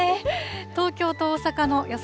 東京と大阪の予想